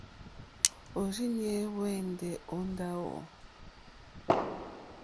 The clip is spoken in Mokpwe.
Òrzìɲɛ́ hwɛ́ndɛ̀ ó ndáwò.